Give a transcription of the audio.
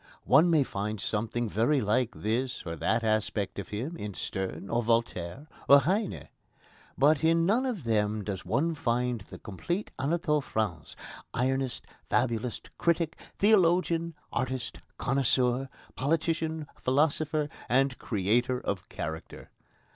One may find something very like this or that aspect of him in Sterne, or Voltaire, or Heine. But in none of them does one find the complete Anatole France, ironist, fabulist, critic, theologian, artist, connoisseur, politician, philosopher, and creator of character.